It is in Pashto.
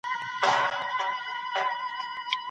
ایا موږ له ډاره ماڼۍ ړنګوو؟